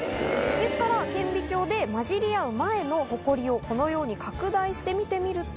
ですから顕微鏡で混じり合う前のほこりをこのように拡大して見てみると。